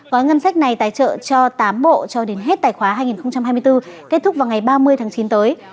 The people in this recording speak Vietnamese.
gói ngân sách này tài trợ cho tám bộ cho đến hết tài khoá hai nghìn hai mươi bốn kết thúc vào ngày ba mươi tháng chín tới